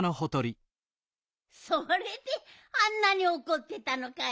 それであんなにおこってたのかい。